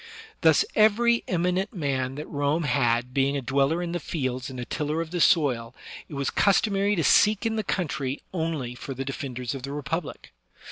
Thus every eminent man that Rome had being a dweller in the fields and a tiller of the soil, it was customary to seek in the country only for the defenders of the Republic.